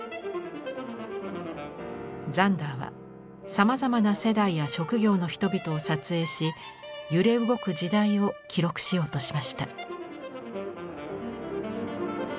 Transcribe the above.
ザンダーはさまざまな世代や職業の人々を撮影し揺れ動く時代を記録しようとしました。